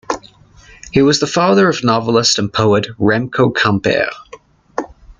He was the father of novelist and poet Remco Campert.